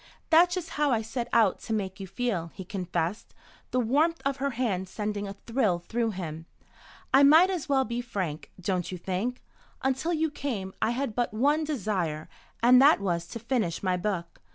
"That's just how I set out to make you feel," he confessed, the warmth of her hand sending a thrill through him. "I might as well be frank, don't you think? Until you came I had but one desire, and that was to finish my book.